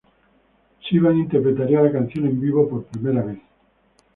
Sivan interpretaría la canción en vivo por primera vez.